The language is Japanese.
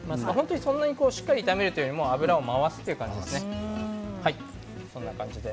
しっかり炒めるというよりも油を回すという感じですね。